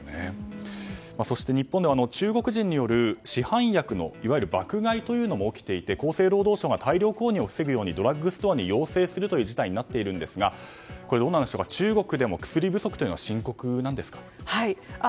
そして日本では中国人による市販薬の爆買いというのも起きていて厚生労働省が大量購入を防ぐようにドラッグストアに要請するという事態になっていますが中国でも薬不足は深刻ですか？